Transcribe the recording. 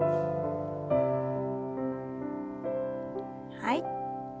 はい。